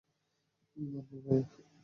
মারবো, ভায়া।